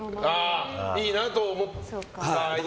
いいなと思った相手が。